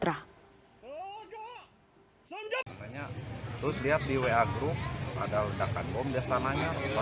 terus lihat di wa group